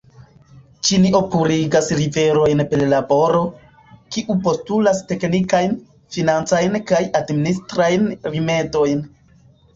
Ĉinio purigas riverojn per laboro, kiu postulas teknikajn, financajn kaj administrajn rimedojn.